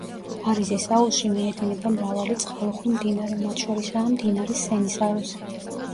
პარიზის აუზში მიედინება მრავალი წყალუხვი მდინარე, მათ შორისაა მდინარე სენის აუზი.